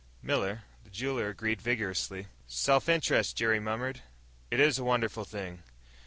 Miller, the jeweler, agreed vigorously. "Self interest," Jerry murmured, "is a wonderful thing."